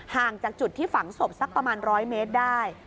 ห่างจากจุดที่ฝังศพสักประมาณ๑๐๐เมตรได้